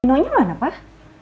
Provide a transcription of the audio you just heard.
neneknya mana pak